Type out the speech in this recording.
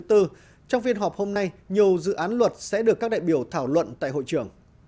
trong phiên họp hôm nay nhiều dự án luật sẽ được các đại biểu thảo luận tại hội trường